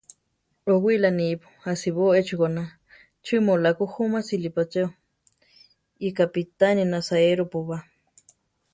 Ówila nipo; ásiboo échi goná; ¿chí mu oláa ku júmasili pa cheo? ikápitane nasaérobo ba.